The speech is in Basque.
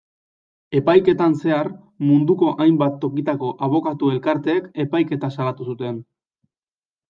Epaiketan zehar, munduko hainbat tokitako abokatu-elkarteek epaiketa salatu zuten.